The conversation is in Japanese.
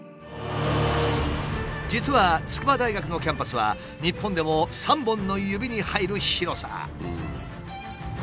実は筑波大学のキャンパスは日本でも３本の指に入る広さ。